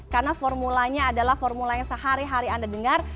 karena formulanya adalah formula yang sehari hari anda dengar